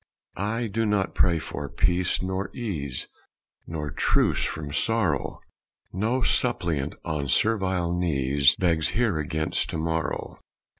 I do not pray for peace nor ease, Nor truce from sorrow: No suppliant on servile knees Begs here against to morrow!